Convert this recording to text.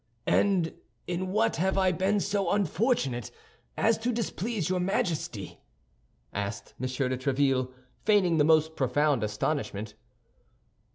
"And in what have I been so unfortunate as to displease your Majesty?" asked M. de Tréville, feigning the most profound astonishment.